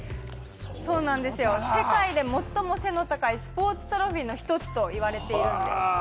そうなんですよ、世界で最も背の高いスポーツトロフィーの一つといわれているんです。